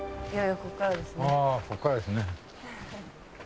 あここからですね。